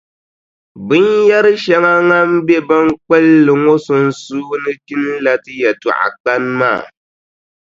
Binyɛrʼ shɛŋa ŋan be binkpulli ŋɔ sunsuuni kpinila ti yɛltɔɣikpani maa.